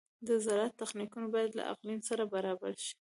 د زراعت تخنیکونه باید له اقلیم سره برابر شي.